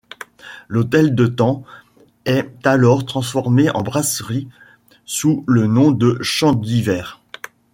L’hôtel de Than est alors transformé en brasserie sous le nom de Chandivert.